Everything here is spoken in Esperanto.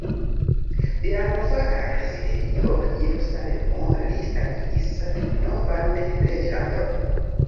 De la nova rezidejo Jerusalemo li starigis novan reĝlandon.